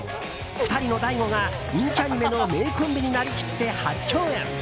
２人のダイゴが、人気アニメの名コンビになりきって初共演！